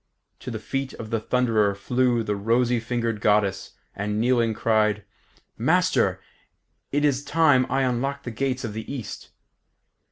To the feet of the Thunderer flew the rosy fingered Goddess, and kneeling, cried, "Master, it is time I unlocked the gates of the East."